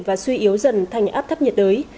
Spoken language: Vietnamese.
tuy yếu dần thành áp thấp nhiệt đới